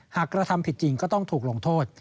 กระทำผิดจริงก็ต้องถูกลงโทษ